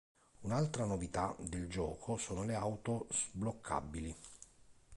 Un'altra novità del gioco sono le auto sbloccabili.